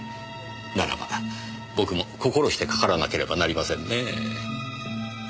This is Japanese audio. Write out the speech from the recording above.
ならば僕も心してかからなければなりませんねえ。